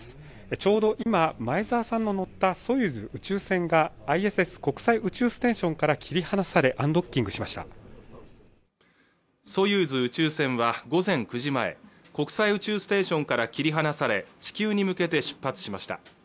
ちょうど今前澤さんの乗ったソユーズ宇宙船がＩＳＳ国際宇宙ステーションから切り離されアンドクッキングしましたソユーズ宇宙船は午前９時前国際宇宙ステーションから切り離され地球に向けて出発しました